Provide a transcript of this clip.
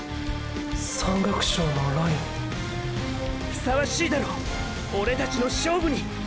山岳賞のラインーーふさわしいだろオレたちの勝負に！